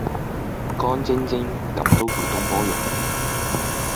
乾爭爭咁都叫東坡肉